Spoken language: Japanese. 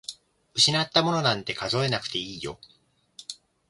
失ったものなんて数えなくていいよ。